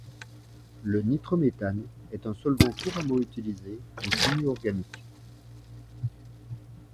Le nitrométhane est un solvant couramment utilisé en chimie organique.